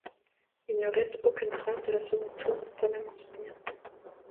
Il ne reste aucune trace de la seconde tour, pas même un souvenir.